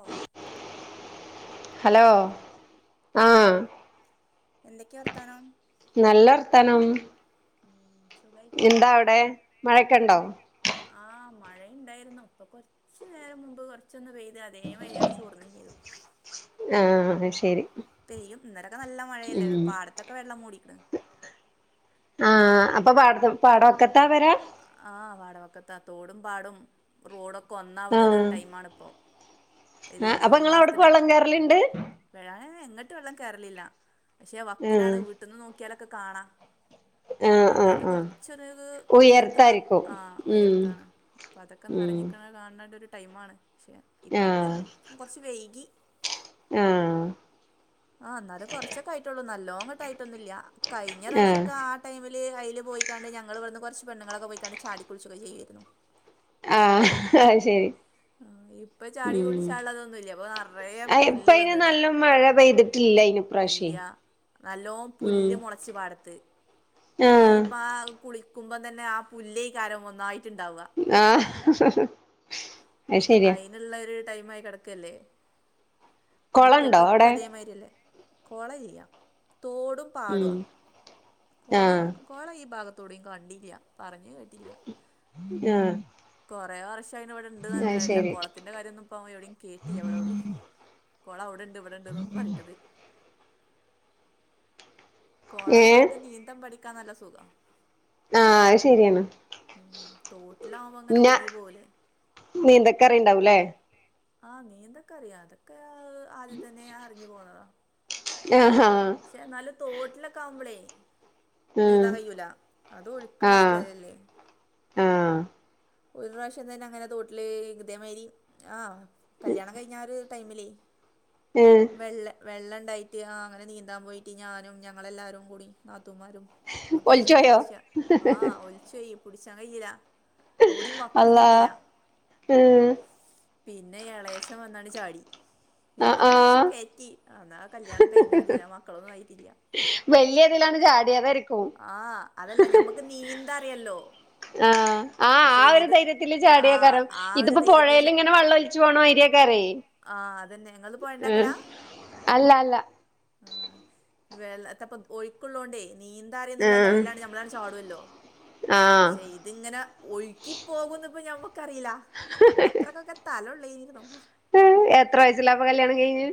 ഓ hello ആ ആഹ് എന്തൊക്കെയാ വർത്താനം നല്ല വർത്താനം ഉം സുഖായിട്ട് പോണു എന്താ അവിടെ മഴയൊക്കെ ഉണ്ടോ ആഹ് മഴയുണ്ടായിരുന്നു അപ്പൊ കൊറച്ചു നേരം മുമ്പ് കുറച്ച് ച്ചൊന്ന് പെയ്ത് അതേ മരിയാണ് ചോന്ന് ചെയ്തു ആഹ് ശരി പെയ്യും ഇന്നലൊക്കെ നല്ല മഴ എല്ലെ ഉം പാടത്തൊക്കെ വെള്ളം മൂടിക്ക്ണ ആഹ അപ്പൊ പാട പാടം വക്കത്താ പെരാ ആഹ് പാടവക്കത്താ തോടും പാടും റോഡൊക്കെ ഒന്നാവണ ആഹ് ഒരു ടൈമാണ് ഇപ്പോ ഒരു ആഹ് അപ്പൊ ജൂൺ നിങ്ങള അവിടക്ക് മാസത്തിലെ വെള്ളം കേറലുണ്ട് വരാന് വെള്ള എങ്ങിട്ട് വെള്ളം കേറലില്ല പക്ഷെ ആഹ് വക്കിനാണ് വീട്ടിൽന്ന് നോക്കിയാലൊക്കെ കാണാ ആഹ് ആഹ് ഞങ്ങളത് ആഹ് കൊറച്ചത് ഉയർത്തിള്ള ഉയർത്തായിരിക്കും ആഹ ഉം ഉയർത്താണ് അപ്പൊ അതൊക്കെ ഒന്ന് ഉം നറിഞ്ഞിക്കണ് കാണേണ്ട ഒരു ടൈമാണ് പക്ഷെ ഇപ്രാവശ്യം ആഹ് കുറച്ച് വൈകി ആഹ് ആ എന്നാലേ കുറച്ചൊക്കെ ആയിട്ടുള്ളൂ നല്ലോങ്ങോട്ട ആയിട്ടൊന്നുമില്ല കഴിഞ്ഞ പ്രാവശ്യ ആഹ് ഒക്കെ ആ ടൈമില് അയിൽ പോയിക്കാണ്ട് ഞങ്ങള് ഇവ്ട്ന്ന് കൊറച്ച് പെണ്ണ ങ്ങളൊക്കെ പോയിക്കാണ്ട് ചാടി കുളിച്ചൊക്കെ ചെയ്യ ആയിരുന്നു ആഹ് ആയ് ശരി ആ, ഇപ്പൊ ചാടി കുളിച്ചാള്ളതൊന്നുമല്ല ഇപ്പൊ നിറയെ ഇപ്പ പുല്ല് അയിന് വന്നണ് നല്ല മഴ പെയ്തിട്ടില്ല അയിന് ഇപ്രാവശ്യേ ഇല്ലയ നല്ലോ ഉം പുല്ല് മുളച്ചു പാടത്ത് ആഹ് ഈയിപ്പ കുളി ക്കുമ്പോ തന്നെ ആഹ് പുല്ലേകാരം ഒന്നായിട്ട്ണ്ടാവ ആഹ് അശരിയാ നുള്ള ഒരു ടൈം ആയി കടക്കല്ലേ കൊളണ്ടോ മുറ്റത്തൊക്കെ അവിടെ അതേമാതിരില്ലേ കോള ഇല്ല്യ തോടും പാടുവ ഉം കോള ആഹ് കോള ഈ ഭാഗത്തോടെയും കണ്ടില്ല പറഞ്ഞ് കേട്ടില്ല ആഹ് കുറെേ വർഷം അയിന് ഇവിടെ അത് ഇണ്ട്റഞ്ഞട്ട് കാര്യല്ല ശരി കൊള ത്തിന്റെ കാര്യം ഒന്നും ഇപ്പം എവിടെയും കേട്ടില്ല ഞാൻ ഇവിടെ എവിടെയും കൊള അവിടെണ്ട് ഇവിടെണ്ട്ന്ന് പറയത് കോള ഏഹ് ഉള്ളവൾക്ക് നീന്തം പഠിക്കാൻ നല്ല സുഖ ആഹ് അത് ശരിയാണ് ഉം തോട്ടിലകുമ്പോ അങ്ങനെ ഒയ്‌കി പോവൂല്ല നീന്തക്കറി ഉണ്ടാവൂല്ലേ ആഹ് നീന്താൻ ഒക്കെ അറിയാ അതൊക്കെ ആദ്യ തന്നെ അറിഞ്ഞു പോന്നതാ ആഹ് ന്നാലും തോട്ടിലൊക്കെ ആവുമ്പോളേ ആഹ് നീന്താ കയൂല അതും ഒഴുക്കുള്ള ആഹ് സ്ഥലല്ലേ ആഹ് ഒരു പ്രാവശ്യം തന്നെ അങ്ങനെ തോട്ടിൽ ഇതേ മതിരി ആഹ് കല്യാണം കഴിഞ്ഞ ആഹ് ഒരു ടൈമിലേ ഏഹ് വെള്ള വെള്ളം ഉണ്ടായിട്ട് ആഹ് അങ്ങനെ നീന്താൻ പോയിട്ട് ഞാനും ഞങ്ങളെല്ലാരും കൂടി നാത്തൂമാരും ഒലിച്ചോയോ മുത്തശ്ശിഗണേഷ ആഹ് ഒലിച്ചയി പിടിച്ചാൻ കഴിയില ഓടി മക്ക് അള്ളാ കിട്ടീല ഏഹ് പിന്നെ ഇളയച്ചൻ വന്നാണ് ചാടി ആഹ് പിന്നെ പിടിച്ച് ആഹ് കേറ്റി എന്നാ കല്യാണം കഴിഞ്ഞതി മക്കളൊന്നും ആയിട്ടില്ല വല്യ ഇതിലാണ് ചാടിയതാരിക്കും നീന്തറിയാല്ലോ ആഹ് ആഹ് ആഹ് ഒരു ധൈര്യത്തില് ആ ചാടിയാക്കാരം ആ ഒരു ഇതിപ്പോ ധൈര്യത്തിൽ പുഴേൽ ഇങ്ങനെ വെള്ളം ഒ ച്ചു പോണ മാരിയേക്കാരേ ആഹ് അതെന്നെ നിങ്ങള് പോയണ്ടാക്കലാ അല്ല അല്ല ആഹ് [unintelligible] ഒഴിക്കുള്ളോണ്ടേ നീ എന്താന്ന് അറിയുന്നുള്ളെ ആഹ് അല്ലെ നമ്മള് ചാടുവല്ലോ ആഹ് പക്ഷെ ഇതിങ്ങനെ ഒഴുക്കി പോകുന്ന ഇപ്പം ഞമ്മക്ക് അറിയില്ല അന്നത്രക്കൊക്കെ തല ഉള്ളേരുന്നു എത്ര വയസ്സിലാ അപ്പം കല്യാണം കഴിഞ്ഞെ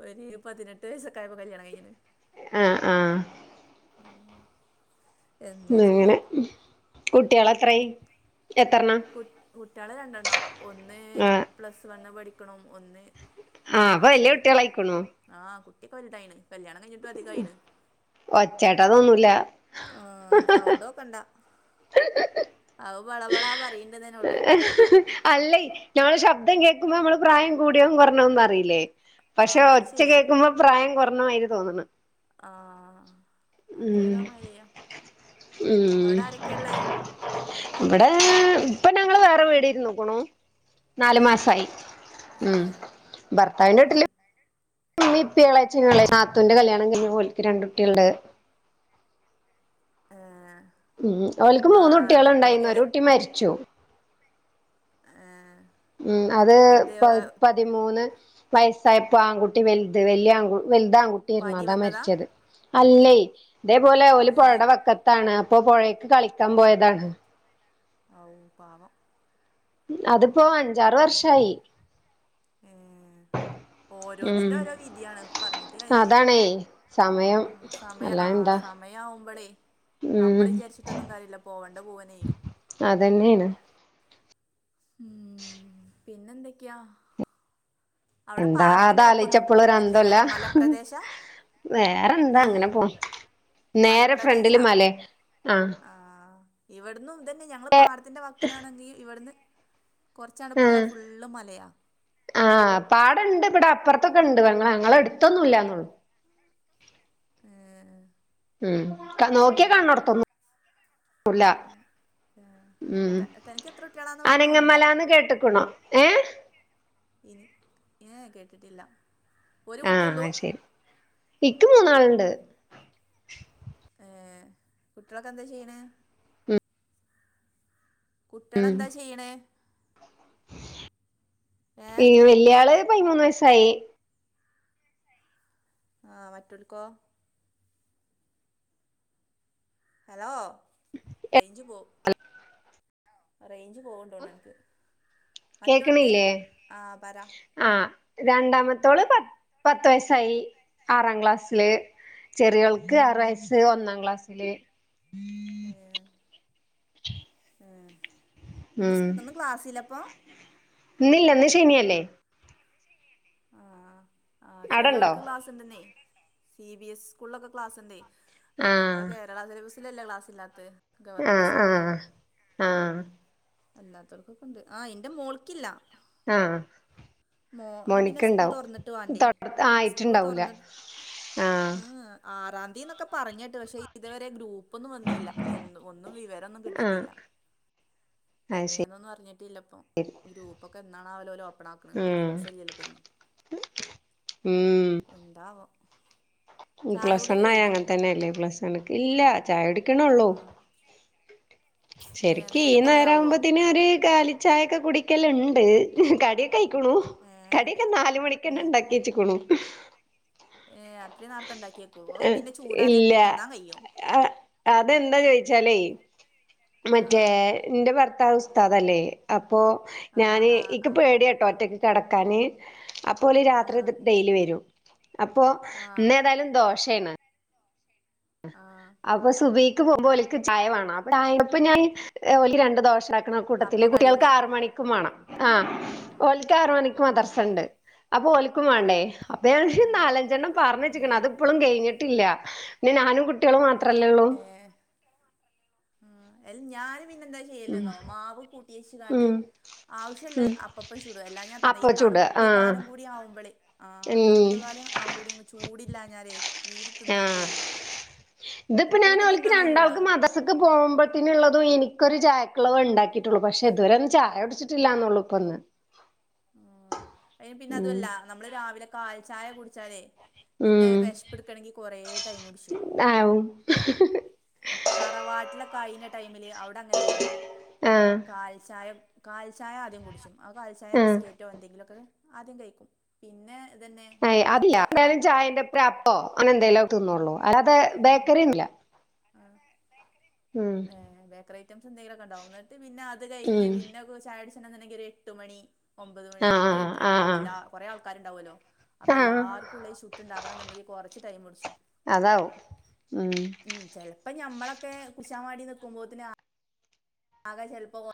ഒരു പതിനെട്ട് വയസൊക്കെ ആയപ്പം കല്യാണം കഴിഞ്ഞെണ് ആഹ് ആഹ് എന്താ ചെയ്യാ അങ്ങനെ കുട്ടികൾ എത്രായി കുട്ട് കുട്ടികള് രണ്ടെണ്ണം ഒന്ന് ആഹ് പ്ലസ് വണ്ണ് പഠിക്കണ് ഒന്ന് ആഹ് ഒന്നാം അപ്പൊ ക്ലാസില് വല്യ പഠിക്കണ് കുട്ടികളായിക്കണു ആഹ് കുട്ടിയൊക്കെ വലുതായിണ് കല്യാണം കഴിഞ്ഞിട്ടും അധികമായിണ് ഒച്ചകേട്ട തോന്നൂല്ല ആഹ് സൗണ്ട് ആവൂ [inaudible] അല്ലേ ഞമ്മള് ശബ്ദം കേൾക്കുമ്പോ നമ്മള് പ്രായം കൂടിയും കൊറഞ്ഞതൊന്നും അറിയില്ലേ പക്ഷെ ആഹ് അത് ഒച്ച ശരിയാ കേൾക്കുമ്പം പ്രായം കുറഞ്ഞ മാതിരി തോന്നണ് ആഹ് ഉം അതൊരോ മയ്യ ഉം അവിടെ ആരൊക്കെയാ ഉള്ളെ ഇവിടെ ഇപ്പൊ ഞങ്ങള് വേറെ വീട് നോക്കണു നാലു ഏ മാസായി ഏ ഉം ഭർത്താവിന്റെ എൻ വീട്ടില് ഉമ്മീ ഇപ്പ എളാച്ചാത്തൂന്റെ കല്യാണം കഴിഞ്ഞ് ഓലിക്ക് രണ്ട് കുട്ടി ഉണ്ട് ആഹ് ഉം ഓൽക്ക് മൂന്ന് കുട്ടികൾ ഉണ്ടായിരുന്നു ഒരു കുട്ടി മരിച്ചു ആഹ് ഉം അത് പ പ പതിമൂന്ന് വയസായപ്പോ ആൺകുട്ടി വൽത് വല്ലിയ ആൺകു വൽത് ആൺകുട്ടിയാരുന്നു പനി അതാ വന്നതാ മരിച്ചത്. അല്ലേയ്, ഇതേപോലെ ഓല് ഏ പൊഴടെ വക്കത്താണ് അപ്പൊ പോഴേക്ക് കളിക്കാം പോയതാണ്. ഔ പാവം. അത്പ്പോ അഞ്ചാറ് ഉം വർഷായി. ഏ ഉം ഓരോന്നിന്റെ ഓരോ വിധിയാണ് പറഞ്ഞിട്ട് കാര്യല്ല. അതാണേ സമയം സമയ ആഹ് അല്ലാതെന്താ സമയം ആവുമ്പലേ ഉം നമ്മള് വിചാരിച്ചിട്ടൊന്നും കാര്യല്ല പോവണ്ടെ പോവന്നെയ്യും. അതന്നെണ്. ഉം, പിന്നെന്തൊക്കെയാ? അവിടെ എന്താ അത് പാടത്തിന്റെ ആലോയിച്ചാ വക്കൊന്നും പ്പളും ഒര അന്തല്ല. നെല്ലേക്കാരല്ല മലപ്രദേശ വേറെന്താ ഏ അങ്ങനെ പോണ്. നേരെ ഫ്രണ്ടില് മലപ്രദേശാ മലേ ആഹ്. ഇവട്ന്നും ത് തന്നെ ഞങ്ങള് പാടത്തിന്റെ വക്കിനാണെങ്കി ഇവട്ന്ന് കൊർച്ചാട് പോയാ ആഹ് ഫുള്ള് മലയാ. ആഹ്, പാടണ്ട് ഇവടെ അപ്പർത്തൊക്കണ്ട് ഞങ്ങള് ഞങ്ങളെ അട്ത്തൊന്നും ഇല്ലാന്നൊള്ളു. ഏഹ്. ഉം, ക്ക നോക്കിയാ കാൻണോട്ത്തൊന്നും ല്ല. ഉം ത തനിക്ക് എത്ര കുട്ടികളാന്ന് പറഞ്ഞെ ഒന്നോ അനങ്ങമലാന്ന് കേട്ട്ക്ക്ണോ ഏഹ്? ഇ ഏഹ് കേട്ടിട്ടില്ല. ഒരു കുട്ടിയുള്ളൂ ആഹ് ശരി ഇക്ക് മൂന്നാള്ണ്ട്. ഏഹ് കുട്ടിയാളൊക്കെ എന്താ ചെയ്യ്ണ്? കുട്ടിയാളെന്താ ചെയ്യണെ ഏഹ്? ഈ വല്യാള് പയ്മൂന്ന് വയസ്സായി. ആഹ് മറ്റോൽക്കോ? ഹലോ റേഞ്ച് പോ റേഞ്ച് പോ തോൺണ്ട് മറ്റോൽക്ക് കേക്കണില്ലേ ആഹ് പറാ. ആഹ്, രണ്ടാമത്തോള് പ പത്ത് വയസ്സായി ആറാം ക്ലാസ്സില്. ചെറിയോൾക്ക് ആറ്‌ വയസ്സ് ഒന്നാം ക്ലാസില്. ആ ആ ഇന്ന് സ് ഇന്ന് ക്ലാസില്ലെപ്പൊ? ന്നില്ല ന്ന് ശനിയല്ലേ. ആഹ്. ആഹ് അവിടെണ്ടോ ചെലോൽക്ക് ക്ലാസ് ഇണ്ട്ന്നെയ്, സി. ബി. എസ് സ്കൂൾലൊക്കെ ക്ലാസ്ണ്ടേയ് മറ്റാ മ്മളെ ആഹ് കേര [unintelligible] ക്ലാസ് ഇല്ലാത്ത് ഗവർമെന്റ് ആഹ് സ്കൂള്ല്. ആഹ് ആഹ് അല്ലാത്തവർക്കൊക്കണ്ട് ആ എന്റെ മോൾക്കില്ല. ആഹ്. അല്ലെ പിന്നെ സ്കൂൾ മോനിക്ക്ണ്ടാവും തൊറന്നിട്ട് വാണ്ടേ, തൊട സ്കൂൾ ആയിട്ടുണ്ടാവൂല തൊറന്ന് ആഹ് ആറാം ദ്ധീ ന്നൊക്കെ പറഞ്ഞേട്ടു പക്ഷെ ഇതുവരെ ഗ്രൂപ്പ് പ്പൊന്നും വന്നിയില്ല എന്നു ഒന്നും വിവരൊന്നും ആഹ് കിട്ടിയിട്ടില്ല. അത് ശരി എങ്ങനാന്നൊന്നും അറിഞ്ഞിട്ടില്ല പ്പൊ ഗ്രൂപ്പ് ഒക്കെ എന്നാണാവൊ ഓല് ഓപ്പൺ ആ ഉം ദിവസല്ലില്ലോ പ്പഞ്ഞി എന്താവോ. ചായ പ്ലസ് കുടിയൊക്കെ വണ്ണായ കഴിഞ്ഞോ അങ്ങൻ തന്നെയല്ലേ പ്ലസ് വണ്ണ്ക്ക് ഇല്ല ചായുടിക്ക്ണോള്ളൂ. ആഹ് ഏഹ് ശരിക് ഈ നേരം കൊറേ ആവോ നേരവുമ്പത്തിന് ഒരു കാലിച്ചായൊക്കെ കുടിക്കല്ണ്ട് കടി കയ്ക്ണു, ഏഹ് കടിയൊക്കെ നാല്മണിക്കന്നെ ഏഹ് ണ്ടാക്കി വച്ക്ണു. ഏഹ് അത്രി നേർത്തെ ണ്ടാക്കിയേക്കുവോ, അത് പിന്നെ ചൂടാറിയ ഇല്ല തിന്നാൻ കയോ. ആഹ് അതെന്താ ചോയിച്ചാലേയ് മറ്റേ ആഹ് ഇന്റെ ഭർത്താവ് ഉസ്താദല്ലേ, അപ്പോ ആഹ് ഞാന് ആഹ് ഇക് ആഹ് പേടി ട്ടൊ ഒറ്റക്ക് കേടക്കാന്, അപ്പോല് രാത്രി ഡെയിലി വരും. അപ്പോ ആഹ് ആഹ് ന്ന് ഏതാലും ദോഷേണ്. ആഹ്. അപ്പൊ സുബ്ഹിക്ക് പോകുമ്പോ ഓല്ക്ക് ചായ മാണം അപ്പൊ ഞാന് ഓൽക്ക് രണ്ട് ദോഷ. ക്ക്ണ അപ്പൊ കൂട്ടത്തില് കുട്ടിയൾക്ക് കടിണ്ടാ ആറ് മണിക്കും മാണം. ആ ഓൽക്ക് ആറ് മണിക്ക് ആഹ് മദർസണ്ട്. അപ്പൊ ഓല്ക്കും വേണ്ടേ. അപ്പ ഞാനൊര് ഉം നാലഞ്ചെണ്ണം പാറന്ന് ഉം വെച്ക്ണ്. അത് ഇപ്പളും കഴിഞ്ഞിട്ടില്ല. പിന്നെ ഞാനും കുട്ടിയളും മാത്രല്ലേ ഉള്ളൂ. ഏഹ് ആഹ്, അയില് ഞാന് പിന്നെന്താ ഉം ചെയ്യല്ന്നോ മാവ് കൂട്ടിയേച്ച് ക്കാണ്ട്. ഉം ആവശ്യള്ളത് ഉം അപ്പപ്പം ചുടുയ്. അല്ലാ ഞാത്താന്നോ ഈ അപ്പം ചുട തണുപ്പ് ആഹ് കാലം കൂടി ആവുമ്പളേ. ആഹ്, ഉം തണുപ്പ് കാലം ആകൂടിയങ്ങ് ചൂടില്ലാഞ്ഞാലേ. തീരെ തിന്നാൻ ആഹ്, പോയൂല ഇതിപ്പോ ഞാന് കുട്ട്യേൾക്കും ഓൽക്ക് തിന്നാൻ രണ്ടാൾക്ക് കയ്യൂല മദ ത്ത്ക്ക് പോകുമ്പോത്തിനുള്ളതും ഇനിക്കൊരു ചായക്കുള്ളതേ ഉണ്ടാക്കിയിട്ടുള്ളൂ. പക്ഷെ ഇതുവരെ ഒന്ന് ചായ കുടിച്ചിട്ടില്ലാന്നള്ളൂ ഇപ്പന്ന്. അയിന് പിന്നെ ഉം അതുഅല്ല നമ്മള് രാവിലെ കാൽച്ചായ കുടിച്ചാലേ. പിന്നെ ഉം വെഷപ്പ്ടക്കണെങ്കി കൊറേ ടൈമ് പുട്ച്ചും. ആവും അത്തറവാട്ടിലൊക്കായിന ടൈമില് അവിടെ അങ്ങനെയിരുന്നു. ആഹ് കാൽച്ചായ. കാൽച്ചായ ആദ്യം കുടിച്ചും. ആ കാൽച്ചായ ആഹ് ബിസ്ക്കറ്റോ എന്തെങ്കിലുക്കെ ആദ്യം കഴിക്കും. പിന്നെ ഇതന്നെ മറ്റേ ആ. ഒരു അപ്പോ അങ്ങനെ എന്തേലോ തിന്നോള്ളൂ. അല്ലാതെ ആഹ് ബേക്കറിന്നുല. ആഹ് ഏഹ്, ബേക്കറി ഐറ്റംസ് എന്തെങ്കിലുക്കെ ഉണ്ടാവും. ന്നട്ട് പിന്നെ അത് കഴിഞ് ഉം പിന്നെ കു ചായുടിച്ച്. ചണംന്നുണ്ടെങ്കി ഒരു എട്ട് മണി ഒമ്പത് മണി എട്ട് ആഹ് എട്ടര ഒക്കെ ആഹ് ആവും ആഹ് എല്ലാ. കൊറെ ആൾക്കാരുണ്ടാവുല്ലോ. അപ്പൊ ആഹ് എല്ലാർക്കും ഉള്ളത് ചുട്ടുണ്ടാകണന്നുണ്ടെങ്കി കൊറച്ച് ടൈമ് ട്ച്ചും. അതാവും. ഉം ഉം, ചെലപ്പോ ഞമ്മളൊക്കെ കുട്ച്ചമാണ്ടി നിക്കുമ്പോത്തിന് ആ ആകെ ചെലപ്പോ.